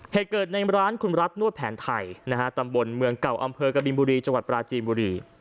เหตุเกิดในร้านคุณรัฐนวดแผนไทยนะฮะตำบลเมืองเก่าอำเภอกบินบุรีจังหวัดปราจีนบุรี